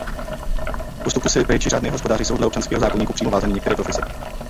K postupu s péčí řádného hospodáře jsou dle občanského zákoníku přímo vázány některé profese.